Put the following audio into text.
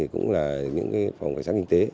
cũng là những phòng khởi sát kinh tế